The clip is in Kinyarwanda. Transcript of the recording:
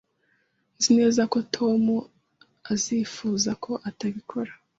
Nzi neza ko Tom azifuza ko atabikora.